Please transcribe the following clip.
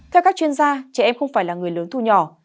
theo các chuyên gia trẻ em không phải là người lớn thu nhỏ